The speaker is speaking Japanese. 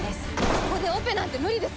ここでオペなんて無理です